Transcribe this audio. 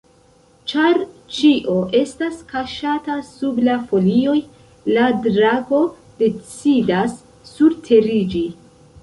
Ĉar ĉio estas kaŝata sub la folioj, la drako decidas surteriĝi.